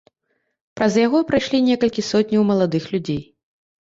Праз яго прайшлі некалькі сотняў маладых людзей.